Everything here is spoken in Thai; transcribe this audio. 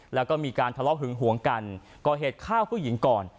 แล้วก็มีการทะเลาะหึงหวงกันก่อเหตุฆ่าผู้หญิงก่อน